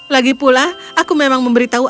lagi pula aku memang memberitahu